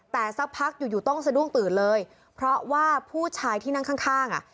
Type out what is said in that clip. แต่สักพักอยู่อยู่ต้องสะดุ้งตื่นเลยเพราะว่าผู้ชายที่นั่งข้างข้างอ่ะ